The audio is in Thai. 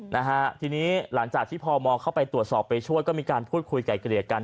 นะฮะทีนี้หลังจากที่พมเข้าไปตรวจสอบไปช่วยก็มีการพูดคุยไก่เกลียดกัน